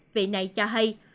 vị này cho hay